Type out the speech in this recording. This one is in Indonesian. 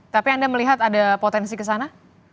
tapi anda melihat ada potensi ke sana